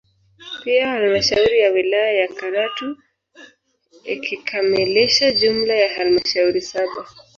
Pia halmashauri ya wilaya ya Karatu ikikamilisha jumla ya halmashauri saba